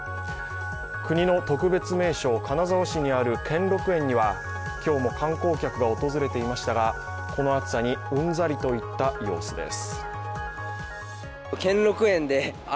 国の特別名勝、金沢市にある兼六園には今日も観光客が訪れていましたがこの暑さにうんざりといった様子です。